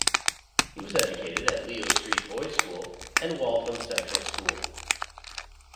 He was educated at Leo Street Boys' School and Waltham Central School.